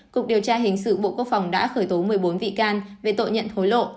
cục điều tra hình sự bộ quốc phòng đã khởi tố một mươi bốn bị can về tội nhận hối lộ